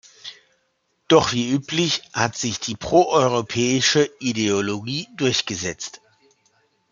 Doch wie üblich hat sich die proeuropäische Ideologie durchgesetzt.